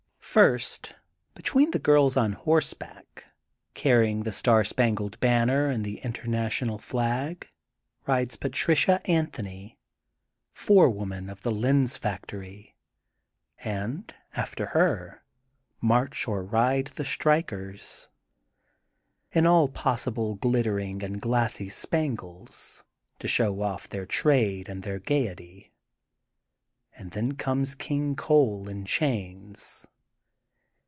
First, between girls on horseback, carrying the Star Spangled Banner and the Interna tional flag, rides Patricia Anthony, fore woman of the lens factory, and, after her, march or ride the strikers, in all possible glit tering and glassy spangles, to show their trade and their gaiety. And then comes King Coal in chains.